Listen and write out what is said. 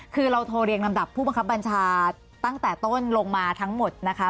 คือเราโทรเรียงลำดับผู้บังคับบัญชาตั้งแต่ต้นลงมาทั้งหมดนะคะ